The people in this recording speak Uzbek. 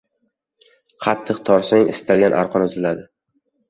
• Qattiq tortsang istalgan arqon uziladi.